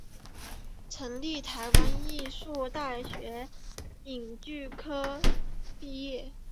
国立台湾艺术大学影剧科毕业。